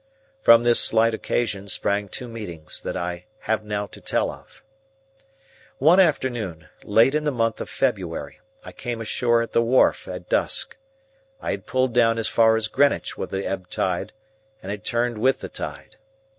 From this slight occasion sprang two meetings that I have now to tell of. One afternoon, late in the month of February, I came ashore at the wharf at dusk. I had pulled down as far as Greenwich with the ebb tide, and had turned with the tide.